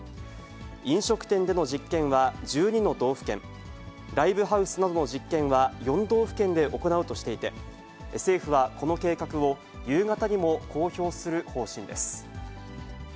飲食店での実験は１２の道府県、ライブハウスなどの実験は４道府県で行うとしていて、政府はこの計画を夕方にも公表する方針です。